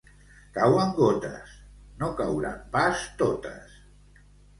—Cauen gotes! — No cauran pas totes!